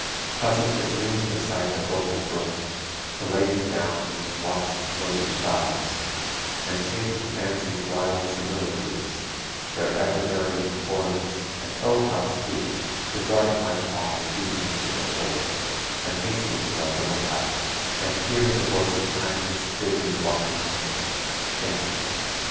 Pleasant at noon beside the vocal brook To lay me down, and watch the the floating clouds, And shape to Fancy's wild similitudes Their ever varying forms; and oh, how sweet, To drive my flock at evening to the fold, And hasten to our little hut, and hear The voice of kindness bid me welcome home!"